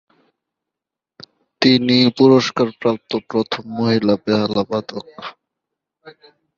তিনিই এই পুরস্কার প্রাপ্ত প্রথম মহিলা বেহালা বাদক।